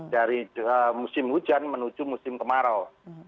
dari musim hujan menuju musim kemarau